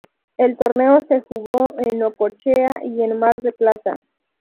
El torneo se jugó en Necochea y en Mar del Plata.